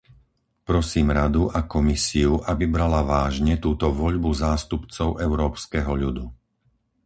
Prosím Radu a Komisiu, aby brala vážne túto voľbu zástupcov európskeho ľudu.